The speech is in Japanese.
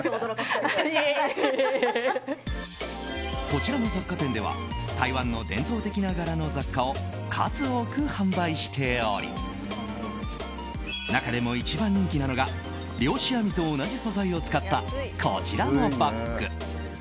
こちらの雑貨店では台湾の伝統的な柄の雑貨を数多く販売しており中でも一番人気なのが漁師網と同じ素材を使ったこちらのバッグ。